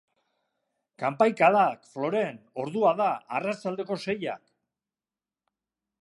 Kanpaikadak, Floren, ordua da, arratsaldeko seiak!